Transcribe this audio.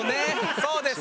そうです。